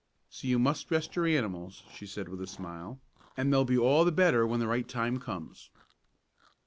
So you must rest your animals," she said with a smile, "and they'll be all the better when the right time comes."